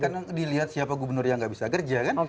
karena dilihat siapa gubernur yang tidak bisa kerja kan